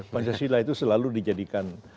pancasila itu selalu dijadikan